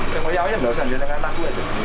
tengok ya saya nggak usah nyerah dengan anak gue